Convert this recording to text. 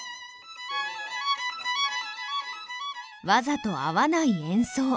わざと合わない演奏。